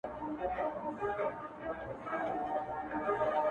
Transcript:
هغي نجلۍ چي زما له روحه به یې ساه شړله.